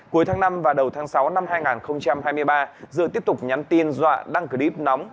cuối tháng năm và đầu tháng sáu năm hai nghìn hai mươi ba dự tiếp tục nhắn tin dọa đăng clip nóng